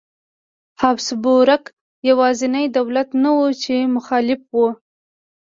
هابسبورګ یوازینی دولت نه و چې مخالف و.